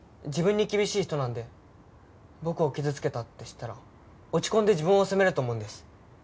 自分に厳しい人なんで僕を傷つけたって知ったら落ち込んで自分を責めると思うんです。